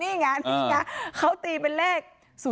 นี่ไงนี่ไงเขาตีเป็นเลข๐๘